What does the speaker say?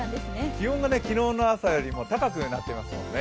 気温が昨日の朝よりも高くなってますもんね。